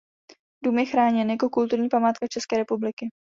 Dům je chráněn jako kulturní památka České republiky.